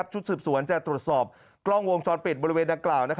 ชุดสืบสวนจะตรวจสอบกล้องวงจรปิดบริเวณดังกล่าว